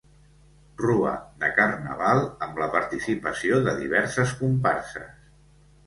Rua de carnaval, amb la participació de diverses comparses.